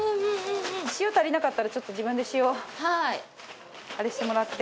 塩足りなかったらちょっと自分で塩あれしてもらって。